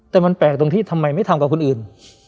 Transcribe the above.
แต่มันแปลกตรงที่ทำไมไม่ทำกับคนอื่น